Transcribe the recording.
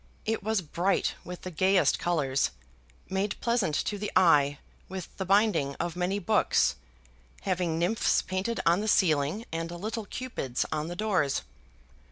It was bright with the gayest colours, made pleasant to the eye with the binding of many books, having nymphs painted on the ceiling and little Cupids on the doors.